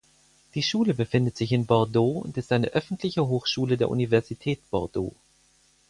Die Schule befindet sich in Bordeaux und ist eine öffentliche Hochschule der Universität Bordeaux.